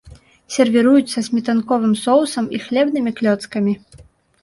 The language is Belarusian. Сервіруюць са сметанковым соусам і хлебнымі клёцкамі.